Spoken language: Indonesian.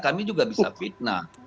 kami juga bisa fitnah